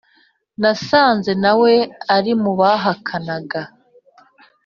nasanze nawe ari mu bahakanaga